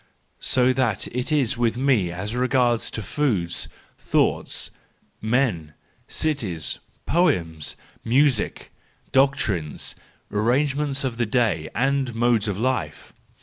So it is with me as regards foods, thoughts, men, cities, poems, music, doctrines, arrangements of the day, and modes of life.